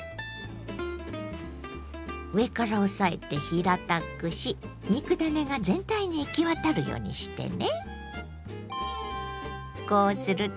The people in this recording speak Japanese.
上から押さえて平たくし肉ダネが全体に行き渡るようにしてね。